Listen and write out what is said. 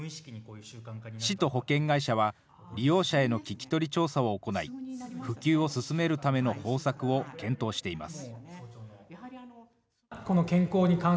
市と保険会社は、利用者への聞き取り調査を行い、普及を進めるための方策を検討しています。